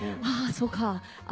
ああそうか。